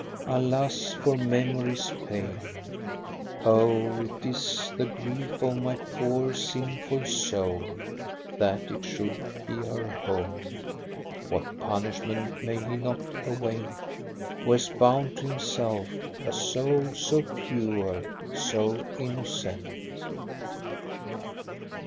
Alas, for memory's pain ! Oh, 't is the grief of my poor, sinful soul That it should be her home ! What punishment may he not await Who has bound to himself a soul so pure, so innocent."